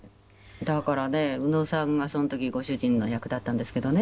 だからね宇野さんがその時ご主人の役だったんですけどね。